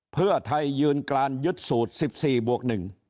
เพื่อไทยยืนการยุทธ์สูตร๑๔บวก๑